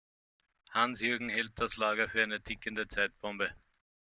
Hans-Jürgen hält das Lager für eine tickende Zeitbombe.